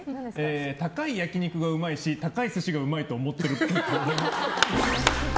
高い焼き肉がうまいし高い寿司がうまいと思ってるっぽい。